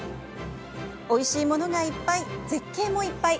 おいしいものがいっぱい絶景もいっぱい。